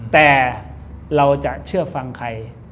แต่เราจะเชื่อฟังใคร